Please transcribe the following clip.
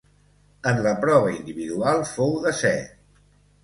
En la prova Individual fou desè.